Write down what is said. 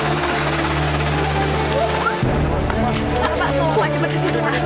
cepat kesitu pak